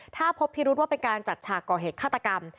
ถ้าพบพิรุษว่าเป็นการจัดฉากก่อเหตุฆาตกรรม